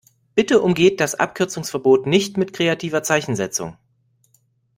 Bitte umgeht das Abkürzungsverbot nicht mit kreativer Zeichensetzung!